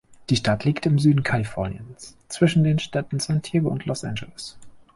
Die Stadt liegt im Süden Kaliforniens zwischen den Städten San Diego und Los Angeles.